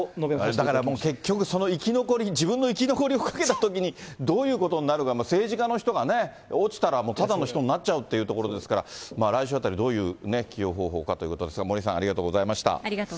だから、結局、その生き残り、自分の生き残りを賭けたときにどういうことになるか、政治家の人がね、落ちたら、ただの人になっちゃうということですから、来週あたりどういう起用方法かということですが、ありがとうございました。